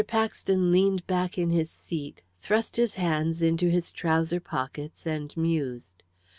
Paxton leaned back in his seat, thrust his hands into his trouser pockets, and mused.